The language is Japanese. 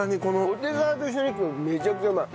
ポテサラと一緒に食うのめちゃくちゃうまい。